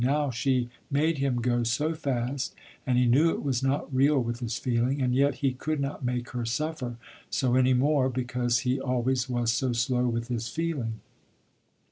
Now she made him go so fast, and he knew it was not real with his feeling, and yet he could not make her suffer so any more because he always was so slow with his feeling.